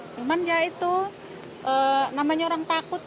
cuman ya itu namanya orang takut